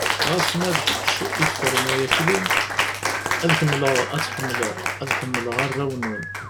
Ɣas ma d kečč i tefren ay Akli, ad kemmleɣ ad tt-ḥemmleɣ, ad ḥemmleɣ arraw-nwen.